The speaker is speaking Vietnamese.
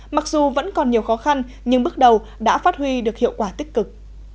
mặc dù vẫn còn nhiều khó khăn nhưng bước đầu đã phát huy được hiệu quả tích cực